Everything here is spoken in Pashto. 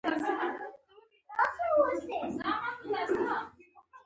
غوږونه د چوپتیا غږ هم احساسوي